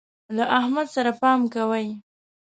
له احمد سره پام کوئ.